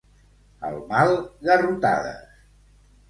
Al mal, garrotades.